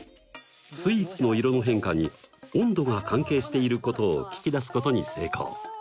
スイーツの色の変化に温度が関係していることを聞き出すことに成功。